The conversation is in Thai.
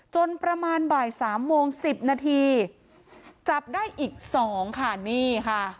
จนประมาณบ่ายสามโมงสิบนาทีจับได้อีกสองค่ะนี่ค่ะ